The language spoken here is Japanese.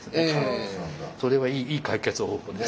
それはいい解決方法です。